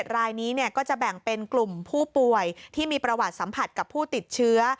รายนี้ก็จะแบ่งเป็นกลุ่มผู้ป่วยที่มีประวัติสัมผัสกับผู้ติดเชื้อ